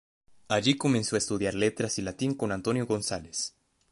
Allí comenzó a estudiar Letras y Latín con Antonio González.